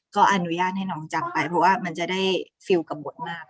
ก็อนุญาตให้น้องจำไปเพราะว่ามันจะได้ฟิลกับบทมาก